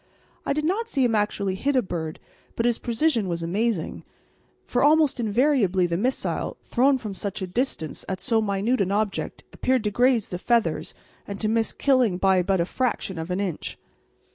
I did not see him actually hit a bird, but his precision was amazing, for almost invariably the missile, thrown from such a distance at so minute an object, appeared to graze the feathers and to miss killing by but a fraction of an inch.